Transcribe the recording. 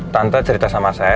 tante cerita sama saya